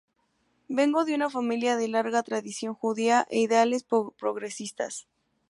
Vengo de una familia de larga tradición judía e ideales progresistas.